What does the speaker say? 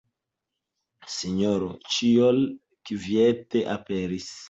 Sinjoro Ĉiol kviete aperis.